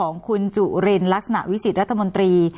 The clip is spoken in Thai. ของคุณจุรินลักษณะวิสิตรัฐมนตรี